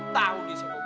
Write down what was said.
tahu dia siapa gue